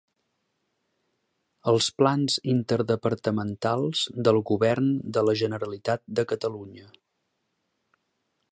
Els plans interdepartamentals del Govern de la Generalitat de Catalunya.